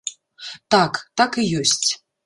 Так, так і ёсць.